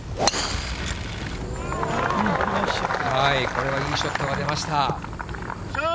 これはいいショットが出ました。